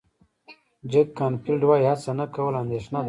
جک کانفیلډ وایي هڅه نه کول اندېښنه ده.